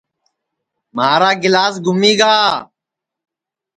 مھارا گِلاس گُمی گا